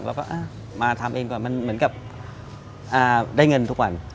เราก็มาทำเองก่อนมันเหมือนกับได้เงินทุกวัน